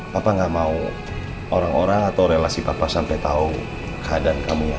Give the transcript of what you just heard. papa gak mau orang orang atau relasi papa sampai tahu keadaan kamu sekarang